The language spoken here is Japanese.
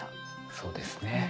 そうですね。